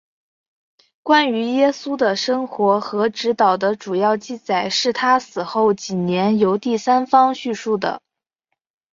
关于耶稣的生活和教导的主要记载是他死后几年由第三方叙述的。